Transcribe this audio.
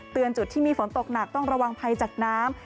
จุดที่มีฝนตกหนักต้องระวังภัยจากน้ำ